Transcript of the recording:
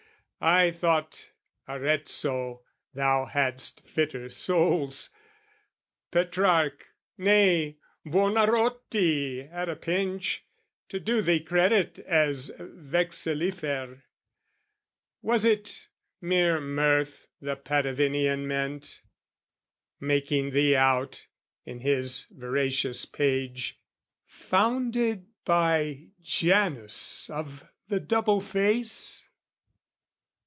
I thought, Arezzo, thou hadst fitter souls, Petrarch, nay, Buonarroti at a pinch, To do thee credit as vexillifer! Was it mere mirth the Patavinian meant, Making thee out, in his veracious page, Founded by Janus of the Double Face?